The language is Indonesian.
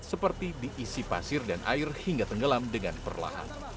seperti diisi pasir dan air hingga tenggelam dengan perlahan